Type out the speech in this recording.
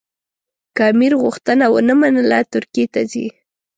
که امیر غوښتنه ونه منله ترکیې ته ځي.